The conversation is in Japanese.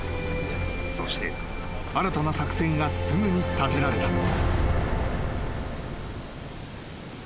［そして新たな作戦がすぐに立てられた］